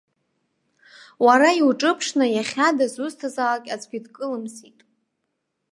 Уара иуҿыԥшны иахьа дызусҭазаалак аӡәгьы дкылымсит!